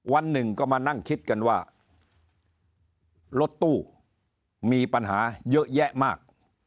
วันหนึ่งก็มานั่งคิดกันว่ารถตู้มีปัญหาเยอะแยะมาก